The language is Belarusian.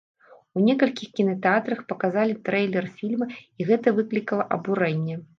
У некалькіх кінатэатрах паказалі трэйлер фільма, і гэта выклікала абурэнне.